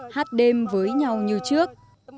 hát đêm với nhau như trước